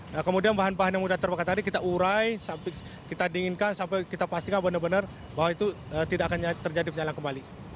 nah kemudian bahan bahan yang mudah terbakar tadi kita urai kita dinginkan sampai kita pastikan benar benar bahwa itu tidak akan terjadi penyalang kembali